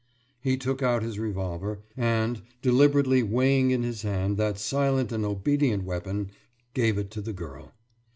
« He took out his revolver, and, deliberately weighing in his hand that silent and obedient weapon, gave it to the girl.